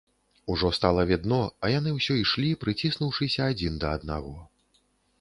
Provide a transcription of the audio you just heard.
Ужо стала відно, а яны ўсё ішлі, прыціснуўшыся адзін да аднаго.